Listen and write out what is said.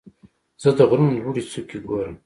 زه د غرونو لوړې څوکې ګورم.